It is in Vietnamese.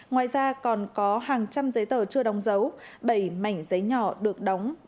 ngoài ra còn có hàng trăm giấy tờ chưa đóng dấu bảy mảnh giấy nhỏ được đóng